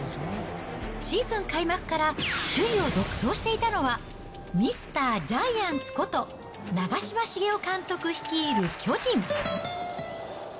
シーズン開幕から首位を独走していたのは、ミスタージャイアンツこと長嶋茂雄監督率いる巨人。